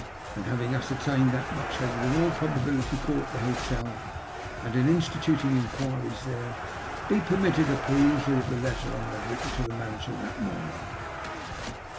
Then, having ascertained that much, they would in all probability call at the hotel, and in instituting enquiries there, be permitted a perusal of the letter I bad written to the manager that morning.